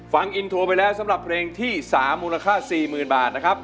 ฟังอินโทรไปแล้วสำหรับเพลงที่๓มูลค่า๔๐๐๐บาทนะครับ